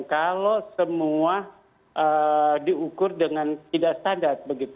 kalau semua diukur dengan tidak standar